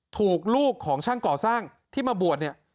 ถูกลูกของช่างก่อสร้างที่มาบวชเนี่ย